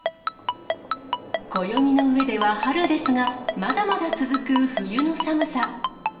暦の上では春ですが、まだまだ続く冬の寒さ。